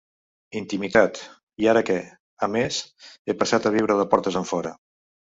Intimitat, i que ara, a més, he passat a viure de portes enfora.